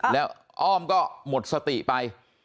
แล้วอ้อมก็หมดสติไป